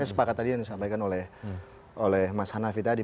saya sepakat tadi yang disampaikan oleh mas hanafi tadi